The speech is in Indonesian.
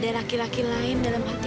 udah ada laki laki lain dalam hati aku